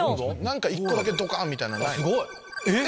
何か１個だけドカン！みたいなのないの？